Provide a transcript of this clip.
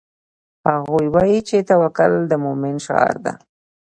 هغوی وایي چې توکل د مومن شعار ده